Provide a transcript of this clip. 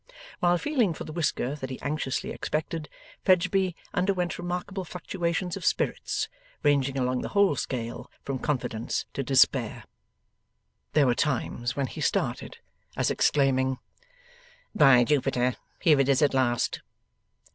While feeling for the whisker that he anxiously expected, Fledgeby underwent remarkable fluctuations of spirits, ranging along the whole scale from confidence to despair. There were times when he started, as exclaiming 'By Jupiter here it is at last!